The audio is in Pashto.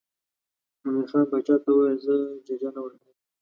مومن خان باچا ته وویل زه ججه نه ورکوم.